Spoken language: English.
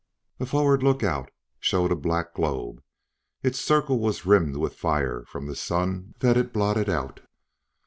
A forward lookout showed a black globe; its circle was rimmed with fire from the Sun that it blotted out.